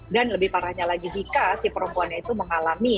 dan lebih parahnya lagi jika si perempuannya itu mengalami